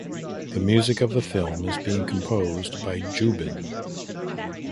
The music of the film is being composed by Jubin.